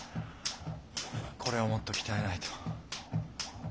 これをもっと鍛えないと。